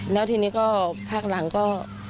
แล้วทีนี้ก็ภาคหลังก็